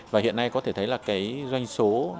và hiện nay có thể gọi là bán hàng truyền thống không